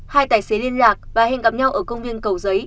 hai tài xế liên lạc và hẹn gặp nhau ở công viên cầu giấy